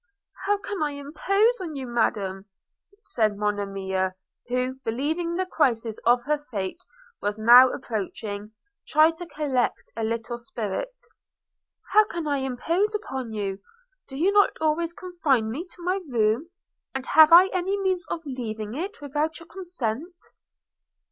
'How can I impose upon you, Madam?' said Monimia, who, believing the crisis of her fate was now approaching, tried to collect a little spirit – 'How can I impose upon you? Do you not always confine me to my room, and have I any means of leaving it without your consent?'